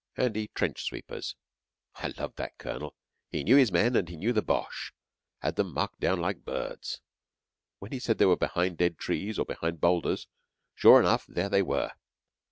HANDY TRENCH SWEEPERS I loved that Colonel! He knew his men and he knew the Boches had them marked down like birds. When he said they were beside dead trees or behind boulders, sure enough there they were!